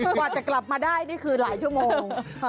กว่าจะกลับมาได้นี่คือหลายชั่วโมง